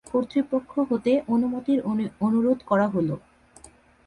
কর্তৃপক্ষ হতে অনুমতির অনুরোধ করা হলো।